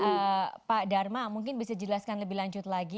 oke pak dharma mungkin bisa dijelaskan lebih lanjut lagi